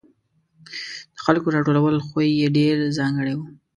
د خلکو راټولولو خوی یې ډېر ځانګړی و.